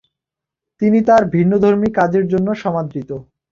তিনি তার ভিন্নধর্মী কাজের জন্য সমাদৃত।